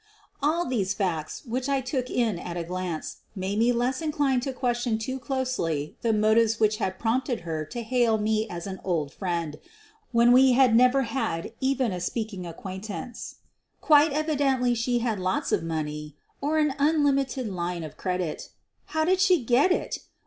All these facts, which I took in at a glance, made me less inclined to question too closely the motives QUEEN OF THE BURGLARS 91 which had prompted her to hail me as an old friend when we had never had even a speaking acquaint ance. Quite evidently she had lots of money or an unlimited line of credit. How did she get it?